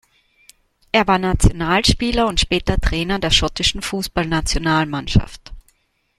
Er war Nationalspieler und später Trainer der schottischen Fußballnationalmannschaft.